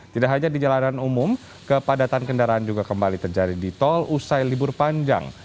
tidak hanya di jalanan umum kepadatan kendaraan juga kembali terjadi di tol usai libur panjang